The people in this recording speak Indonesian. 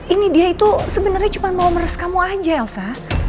ini dia itu sebenarnya cuma mau meres kamu aja elsa